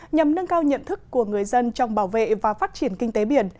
nhằm nâng cao nhận thức của người dân trong bảo vệ và phát triển kinh tế biển